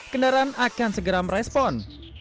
kendaraan akan segera merespon